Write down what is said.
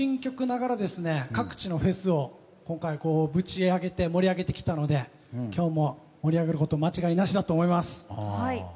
新曲ながら各地のフェスをぶちアゲて盛り上げてきたので今日も盛り上がること間違いなしだと思います。